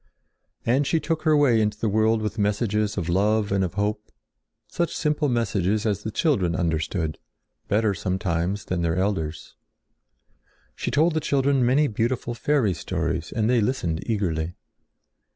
And she took her way into the world with messages of love and of hope, such simple messages as the children understood, better sometimes than their elders. She told the children many beautiful fairy stories and they listened eagerly.